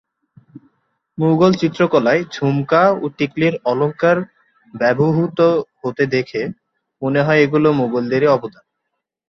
মুগল চিত্রকলায় ঝুমকা ও টিকলির অলঙ্কার ব্যবহূত হতে দেখে মনে হয় এগুলি মুগলদেরই অবদান।